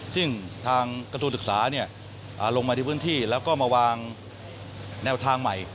ซึ่งทางกระทรวงศึกษาลงมาที่พื้นที่แล้วก็มาวางแนวทางใหม่